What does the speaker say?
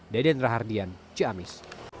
deden rahardian ciamis